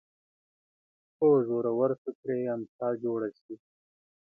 هو زورور ته ترې امسا جوړه شي